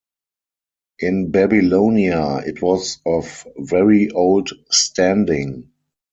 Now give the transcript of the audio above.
In Babylonia, it was of very old standing.